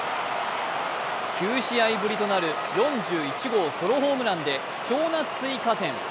９試合ぶりとなる４１号ソロホームランで貴重な追加点。